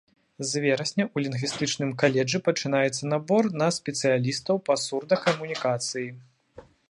З верасня ў лінгвістычным каледжы пачнецца набор на спецыялістаў па сурдакамунікацыі.